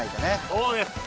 そうです！